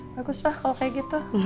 bagus lah kalau kayak gitu